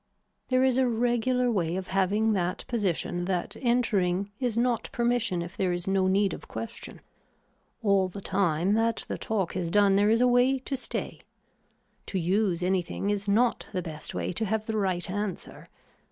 There is a regular way of having that position that entering is not permission if there is no need of question. All the time that the talk is done there is a way to stay. To use anything is not the best way to have the right answer.